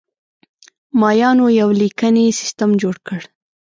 مایانو یو لیکنی سیستم جوړ کړ.